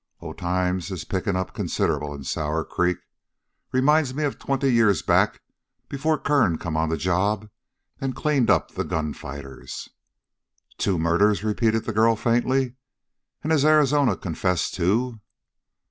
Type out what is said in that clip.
Oh, times is picking up considerable in Sour Creek. Reminds me of twenty years back before Kern come on the job and cleaned up the gunfighters!" "Two murders!" repeated the girl faintly. "And has Arizona confessed, too?"